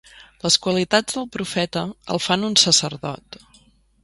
Les qualitats del profeta el fan un sacerdot.